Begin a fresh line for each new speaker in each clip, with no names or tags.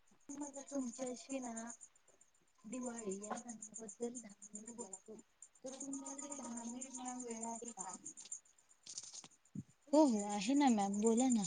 [unintelligible] [inaudible] [unintelligible]
[inaudible]
हो हो आहे ना मॅम बोला ना.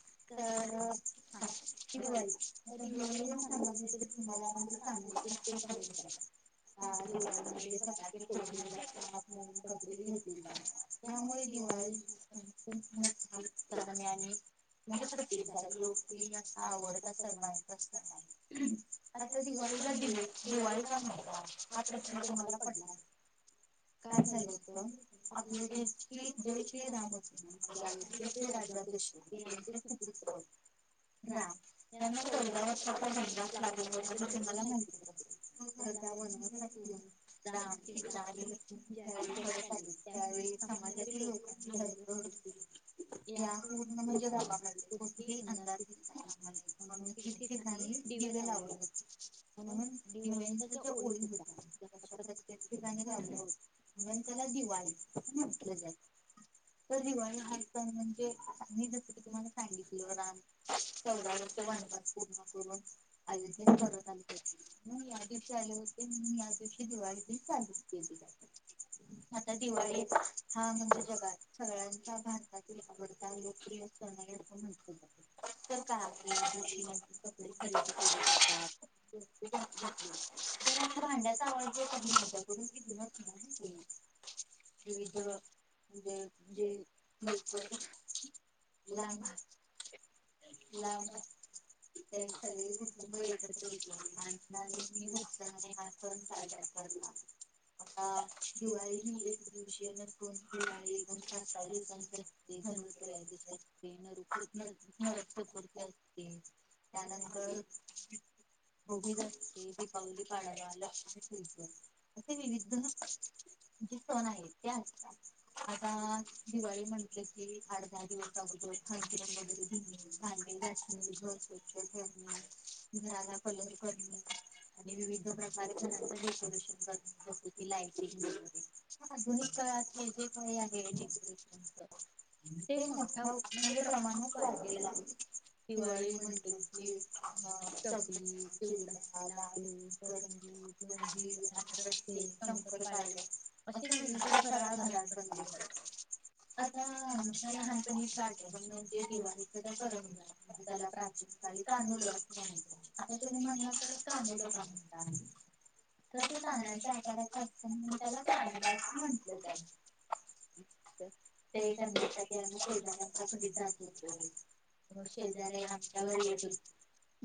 तर दिवाळी आ दिवाळी सन तुम्हाला म्हण सांग. [unintelligible] [unintelligible] मुळे चम [unintelligible] प्रसिद् लोकप्रिय अस आवडत सर्वांचा आता दिवाळी तुला दिली दिवाळी का माहि हा प्रश्न कोणाला पडणार कात आपले श जयश्री राम ना
[inaudible]
[unintelligible] ह त्या म पहिल्या वर्षाचांदाच लागेल होता मी तुम्हाला माहितीे [unintelligible] बनव डान आणिवेळी करत आ त्यावेळी [inaudible] ही अंदाज म्हणून ठिकाणी दिवे लावले होते [inaudible] त्याला दिवाळी तर दिवाळी म्हणजे [inaudible] [inaudible] आता दिवाळी हा म्हणजे जगात सगळ्यांचा भारतात आवडताोपिय [inaudible] [inaudible]
[inaudible] [inaudible]
[inaudible]
लांब लांब सगळे कुटुंब एकत्रित आणि [unintelligible] पलत [inaudible] [unintelligible] [unintelligible]
त्यानंतर [unintelligible] [unintelligible] जे सण आहेत ते आहेत आता दिवाळी म्हटले की आठ दहा दिवस. [unintelligible] [unintelligible] आणि विविध प्रकारे डेकोरेशन करतात लाइटिंग वगैरे. [unintelligible] म्हणजे प्रमाणच लातील ह दिवाळी म्हणटलं. [unintelligible] [unintelligible] शंकरपाळ्या असे विविध सर [unintelligible] झा आता लहानतणीच पण म्हणजे दिवाळीचा ज परजला आता [unintelligible] तुम्ही म्हणू तस काण्याच्या आकाराच असत म त्याला काणवल म्हणते ते त्यांच्या साठी आता जात शेजारी [unintelligible] आमच्यावर येत हो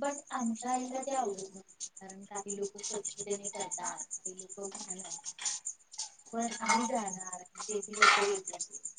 बट आमच्या आईला ते आवडत न कारण काही लोक स्वच्छतेने करतात काही लोक. ह्ं
पण आम्ही जाणार लोक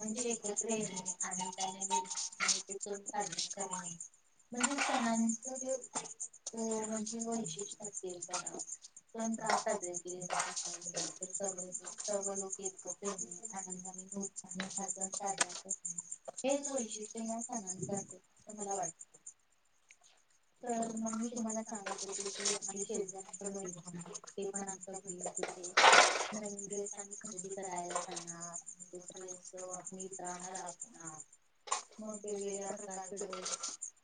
म्हणजे एकत्र येणार. [unintelligible] म्हणजे म्हणजे पण [unintelligible] [unintelligible] सर्व लोक एकत्र आनंद [unintelligible] [unintelligible] हेच वैशिष्ट्य या सगर [unintelligible] अस मला वाटत
[unintelligible] तर मग तुम्हाला सांग होते की आ्ही श [unintelligible] ते पण आम खरेदी करायला जाणारे मित्रांना दाख मग वेगवेगळ्या प्रकारचे ड्रेस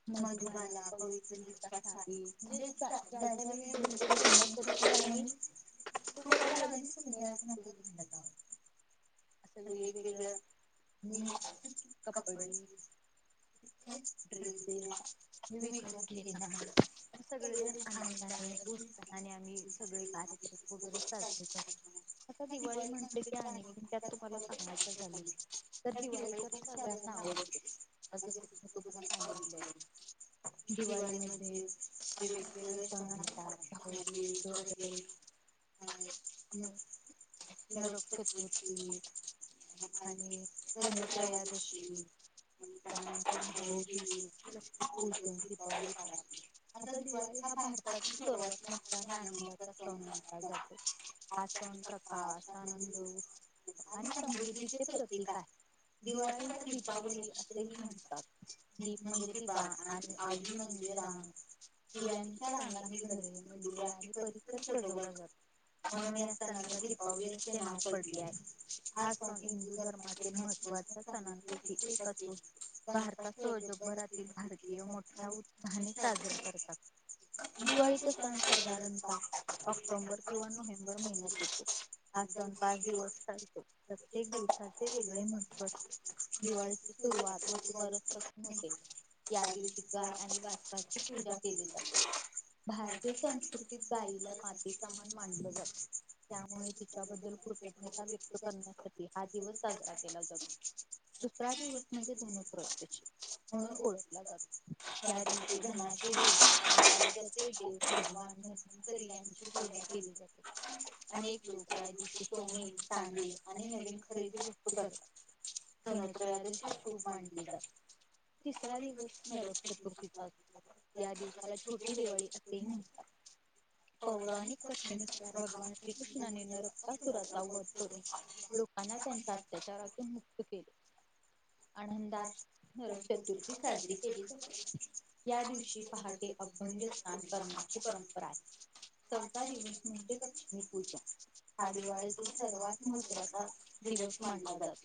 मधुबाला म्हणजे ज्या त्यावेळी जे ते [unintelligible] [unintelligible]
वेगवेगळे [unintelligible] [unintelligible] हा. [unintelligible] [unintelligible] [unintelligible] दिवाळी म्हणजे अजून [unintelligible] हम्. [unintelligible] [unintelligible]
ह. [unintelligible] भाऊबीज, दीपावली पाडवा. आता दिवाळी हा भारतील सर्वात मोठठा आणि आनंदाचा सण म्हटला जातो. आसन प्रकाश आनंद उत्सव आणि समृद्धीचे प्रतीक आहे. दिवाळीला दीपावली असेही म्हणत दीप म्हणजे दिवा आणि आवडी म्हणजे रांग दिव्यांच्या रांगाची घरे मंदिरे आणि परिसर सजवला जातो. म्हणून या सणाला दीपावली असे नाव पडले आहे. हा सण हिंदू धर्मातील महत्त्वाचा सनापैकी एक असुन भारताचा जगभरातील भारतीय मोठ्या उत्साहाने साजरा करतात. दिवाळीचा सण साधारणतः ऑक्टोबर किंवा नोव्हेंबर महिन्यात येतो. हा सण पाच दिवस चालतो प्रत्येक दिवसाचे वेगळे महत्व दिवाळीची सुरुवात वसुबारस पसून होते. या दिवशी गाय आणि वासराची पूजा केली जाते. भारतीय संस्कृतीत गाय माते समन जात. त्यामुळे तिच्याबद्दल कृतज्ञता व्यक्त करण्यासाठी हा दिवस साजरा केला जातो. दुसरा दिवस म्हणजे धनत्रयोदशी. म्हणून ओळखला जातो.
या दिवशी धनाची पूजा केली जाते तसेच [unintelligible] ही पूजा केली जाते.
केली जाते. अनेक लोक या दिवशी सोने, चांदीे आणि नवीन खरेदी वस्तू करत धनोत्र यादवशीच खूप मानली जात. तिसरा दिवस नरक चतुर्थीचा असतो. या दिवसाला छोटी दिवाळी असेही म्हणतात. पौराणिक कथेनुसार भगवान श्रीकृष्णाने नरकासुराचा वध करून लोकांना त्यांच्या अत्याचारातून मुक्त केले. आनंद नर चतुर्थी साजरी केली जाते. या दिवशी पहाटे अभंगी स्नान करण्याची परंपरा आहे. चौथ दिवस म्हणजे लक्ष्मी पूजन. हा दिवाळीतील सर्वात महत्त्वाचा दिवस मानला जातो.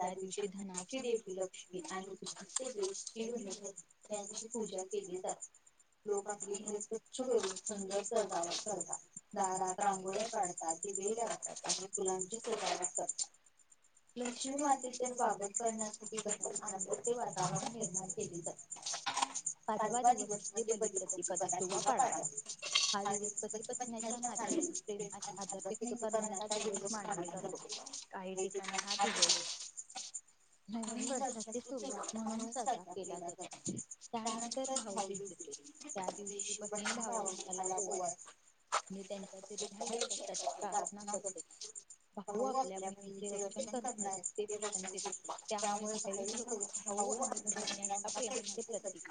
त्या दिवशी धनाची देवी लक्ष्मी
के [unintelligible] ची पूजा केली जाते. लोक आपली घर स्वच्छ करून सुंदर सजावट करतात. दारात रांगोळ काढतात. लागतात आणि फुलांची सजावट करतात. लक्ष्मी मातेचे स्वागत करण्यासाठी
आनंदाचे वातावरण निर्माण केले जाते. पाचवा दिवस म्हजे बलिप्रतिपदा किंवा पाडावा. हा दिवस पती पत्नीच्या नात्यातील प्रेम आदर व्यक्त करण्याचा दिवस मानला जातो. काही ठिकाणी ही दिवस [unintelligible] म्हणून साजरा केला जातो. त्यानंतर भाऊबीज येते. त्या दिवशी बहीण भावला ओळते. आणि त्यांच्या दीर्घायुष्यासाठी प्रार्थना करतो. भाऊ आपल्या बहिणीचे रक्षण करण्याचे वचन देतो, त्यामुळे ईऊ भाऊ आणि ब यांच्या प्रेमाचे प्रतीक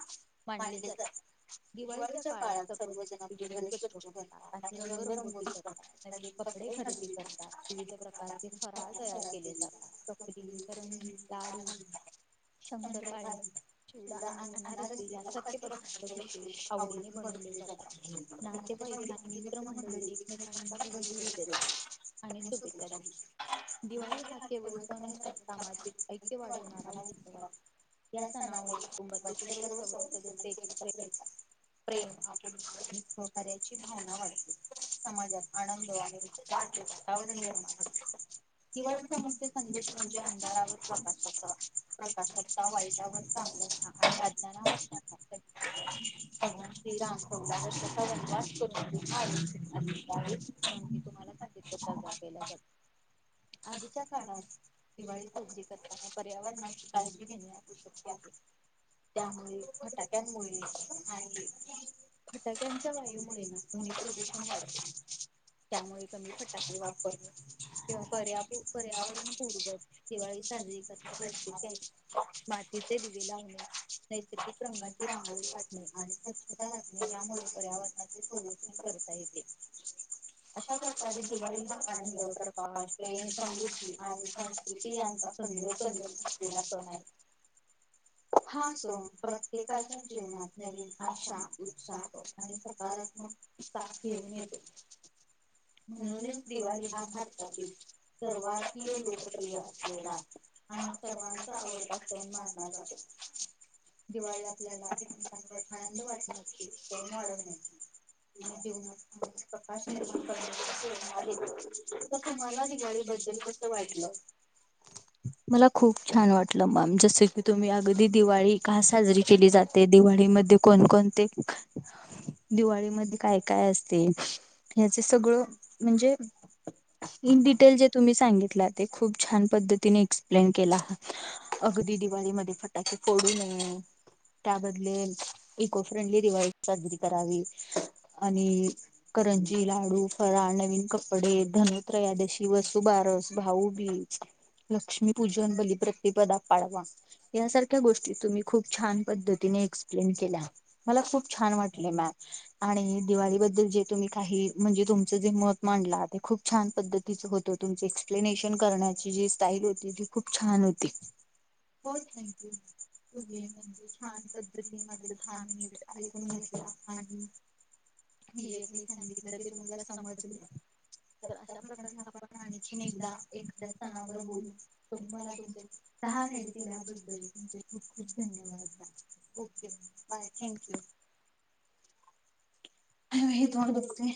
मानले जाते दिवाळीच्या काळात सर्व घर स्वच्छतात आणि रंगरंगोी करतात नवीन कपडे खरे करात विविध प्रकारचे फराळ तयार केले जातात चकंजी लाडू
चंत आ त आणि अनारस आवड बनलीात मित्र मंडळी एकमेकां आहे
दिवाळी हा केवळ सण नसून सामाजिक ऐ
ना भावना वाते समाजात आनंद आणि मे म्हणज
प्रकाशात प्रकाशचा वाईटावर चल्याचा आणि राजधानावर भगवान श्रीराम चौदा वर्षाचा वनवास करून पूर्ण आयोजित झाले त्यावेस संी तुम्हालाां जरा केला जात आजच्या काळात दिवाळी साजरी करताना पर्यावरणाची काळजी घेणे आशक [unintelligible] आहे. त्यामुळे फटाक्यांमुळे हा ते फटाक्यांच्या वायूमुळे ना, ध्वनी प्रदूषण वाढत. त्यामुळे कमी फटाके वापरणे किंवा
पर्या पर्यावरण [unintelligible] [unintelligible] वर [unintelligible] ज प्रकार [unintelligible] समृद्धी आणि संस्कृती यांचा संदर् [unintelligible] लेला असं [unintelligible]
ह [inaudible]
हा सो प्रत्येकाच्या जीवनात नवीन आशा उत्साह आणि सकारात्मक दििवाळी भारी [unintelligible] लोकप्रिय [unintelligible] आणि सर्वांचा आ मानला जातो. ला आपल्या वाट नाही [unintelligible] व [unintelligible] त तुम्हाला दीवाळी बद्दल कस वाटल वा मला खूप छान वाटल मामी जसं की तुम्ही अगदी दिवाळी का साजरी केली जाते दिवाळीमध्ये कोणकोणते? दिवाळीमध्ये काय काय असते ह्याच सगळं म्हणजे इन डिटेल जे तुम्ही सांगितलं ते खूप छान पद्धतीने एक्सप्लेन केला अगदी दिवाळीमध्ये फटाके फोडू नये. त्या बदले इको फ्रेंडली दिवाळी साजरी करावी आणि करंजी लाडू फराळ नवीन कपडे धन त्रयादशी वसुबारस भाऊ बीच लक्ष्मीपूजन बलिप्रतिपदा पाडवा यासारख्या गोष्टी तुम्ही खूप छान पद्तीने एक्सप्लेन केल्या मला खूप छान वाट मॅमआणि दिवाळीबद्दल. जे तुम्ही काही म्हणजे तुमच जे मत माडला ते खुप प छान पद्धतीच होत तुमच एक्सप्लेनेशन करण्याची जी स्टाईल होती ती खूप छान होती. हो थक्यूण [unintelligible] छान पद्धतीने माझे दहा मिनिट ऐकून घेत. आणि म [unintelligible] काही खगितलं ते तुम्हाला समजलं.
[unintelligible] अशा प्रक
आपण आणखी एकदा एखाद्या सणावर बोल [unintelligible] राह दाहा मीनीट [unintelligible] केल्या बद्दल तुमचे धन्य वाद बाय थांक्यू.
[inaudible]
अई बाई तोंड दुखतंय [unintelligible]